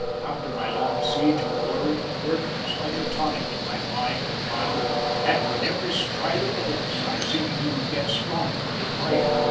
After my long siege of worry and work it was like a tonic to my mind and body and with every stride of the horse I seemed to get stronger and brighter.